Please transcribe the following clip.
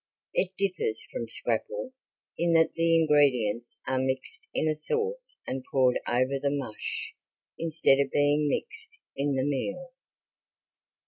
It differs from scrapple in that the ingredients are mixed in a sauce and poured over the mush instead of being mixed in the meal.